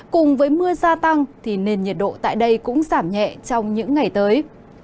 cùng với mưa gia tăng thì nền nhiệt độ tại đây cũng giảm nhẹ trong những ngày tới